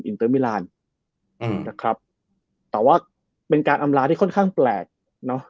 เตอร์มิลานอืมนะครับแต่ว่าเป็นการอำลาที่ค่อนข้างแปลกเนอะ